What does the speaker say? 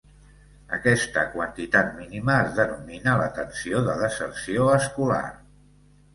Aquesta quantitat mínima es denomina la tensió de deserció escolar.